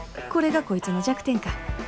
これがこいつの弱点か。